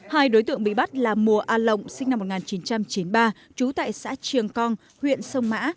hai đối tượng bị bắt là mùa a lộng sinh năm một nghìn chín trăm chín mươi ba trú tại xã triềng cong huyện sông mã